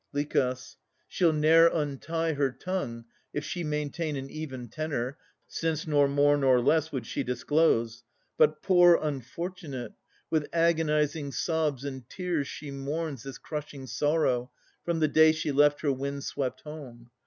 LICH. She'll ne'er untie her tongue, if she maintain An even tenor, since nor more nor less Would she disclose; but, poor unfortunate! With agonizing sobs and tears she mourns This crushing sorrow, from the day she left Her wind swept home.